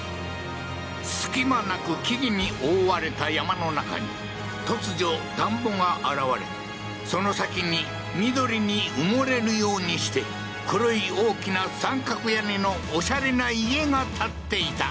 隙間なく木々に覆われた山の中に突如、田んぼが現れ、その先に、緑に埋もれるようにして黒い大きな三角屋根のおしゃれな家が建っていた。